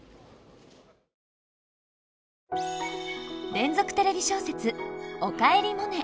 連続テレビ小説「おかえりモネ」。